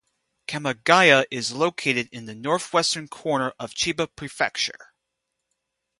Kamagaya is located in the northwestern corner of Chiba Prefecture.